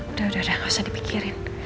udah udah gak usah dipikirin